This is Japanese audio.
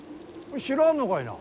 知らんのかいな。